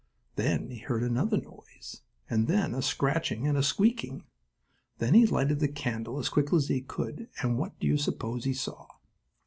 Then he heard another noise, and then a scratching and a squeaking. Then he lighted the candle as quickly as he could, and what do you suppose he saw?